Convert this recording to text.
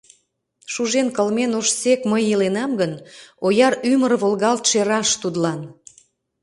Шужен-кылмен ожсек мый иленам гын, Ояр ӱмыр волгалтше раш тудлан.